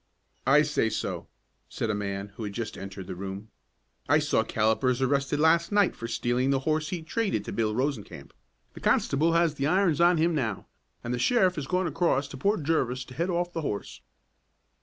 "I say so," said a man who had just entered the room. "I saw Callipers arrested last night for stealing the horse he traded to Bill Rosencamp. The constable has the irons on him now, and the sheriff has gone across to Port Jervis to head off the horse."